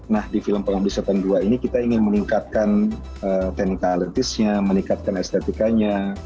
nah di film penghabisatan dua ini kita ingin meningkatkan teknikalitisnya meningkatkan estetikanya